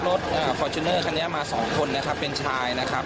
รถิมนี้มาสองคนนะครับเป็นชายนะครับ